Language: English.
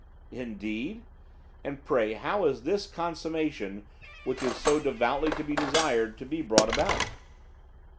'Indeed. And pray how is this consummation which is so devoutly to be desired to be brought about?